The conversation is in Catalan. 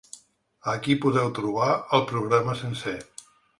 Aquí podeu trobar el programa sencer.